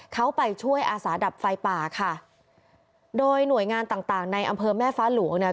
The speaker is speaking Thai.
เขาไปช่วยอาสาดับไฟป่าค่ะโดยหน่วยงานต่างต่างในอำเภอแม่ฟ้าหลวงเนี่ย